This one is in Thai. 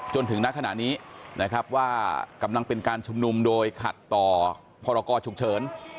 จนถึงณขณะนี้นะครับว่ากำลังเป็นการชุมนุมโดยขัดต่อพรกรฉุกเฉิน